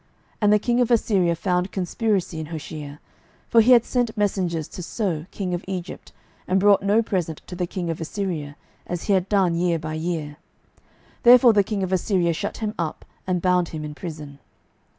12:017:004 And the king of Assyria found conspiracy in Hoshea: for he had sent messengers to So king of Egypt, and brought no present to the king of Assyria, as he had done year by year: therefore the king of Assyria shut him up, and bound him in prison.